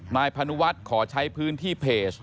นายพนุวัฒน์ขอใช้พื้นที่เพจ